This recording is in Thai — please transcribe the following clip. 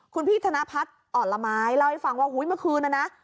คุณพี่ธนพัฒน์อ่อนละไม้เล่าให้ฟังว่าเมื่อคืนนะนะ